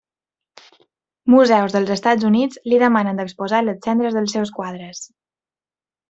Museus dels Estats Units li demanen d'exposar les cendres dels seus quadres.